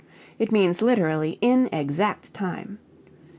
It means literally in exact time.